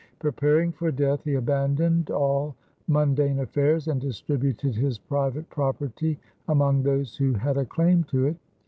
Preparing for death he abandoned all mundane affairs, and distributed his private property among those who had a claim to it.